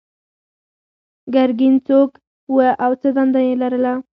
ګرګین څوک و او څه دنده یې لرله؟